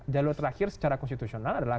jalur terakhir secara konstitusional adalah